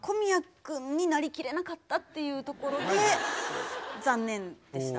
君になりきれなかったっていうところで残念でした。